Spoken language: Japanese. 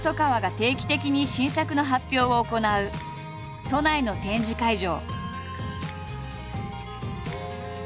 定期的に新作の発表を行う都内の展示会場。